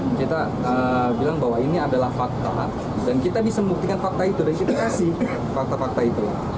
bila kita bilang bahwa ini adalah fakta dan kita bisa membuktikan fakta itu dan kita kasih fakta fakta itu